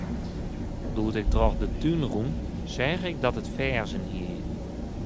Doe't ik troch de tún rûn, seach ik dat it ferzen hie.